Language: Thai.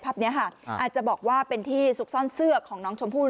นี้ค่ะอาจจะบอกว่าเป็นที่ซุกซ่อนเสื้อของน้องชมพู่